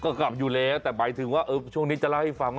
ก็ไปอยู่แล้วแต่ไว้ถึงว่าช่วงนี้จะรายให้ฟัง